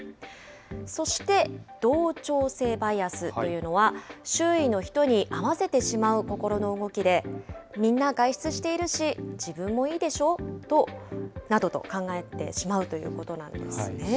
そして同調性バイアスというのは、周囲の人に合わせてしまう心の動きで、みんな外出しているし、自分もいいでしょなどと考えてしまうということなんですね。